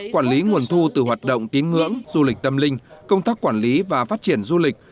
quản lý nguồn thu từ hoạt động tín ngưỡng du lịch tâm linh công tác quản lý và phát triển du lịch